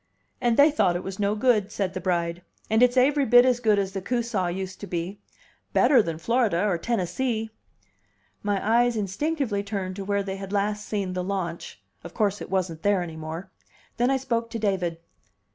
"And they thought it was no good," said the bride. "And it's aivry bit as good as the Coosaw used to be. Better than Florida or Tennessee." My eyes instinctively turned to where they had last seen the launch; of course it wasn't there any more. Then I spoke to David.